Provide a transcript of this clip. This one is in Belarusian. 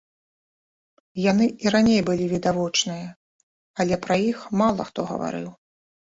Яны і раней былі відавочныя, але пра іх мала хто гаварыў.